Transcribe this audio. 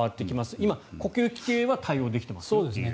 今、呼吸器系は対応できていると。